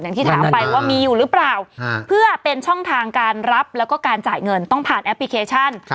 อย่างที่ถามไปว่ามีอยู่หรือเปล่าเพื่อเป็นช่องทางการรับแล้วก็การจ่ายเงินต้องผ่านแอปพลิเคชัน